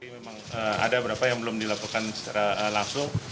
memang ada beberapa yang belum dilakukan secara langsung